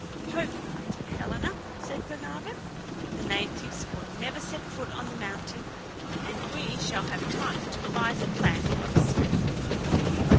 "Hope, my dear Helena," replied Glenarvan. "The natives will never set foot on the mountain, and we shall have time to devise a plan of escape."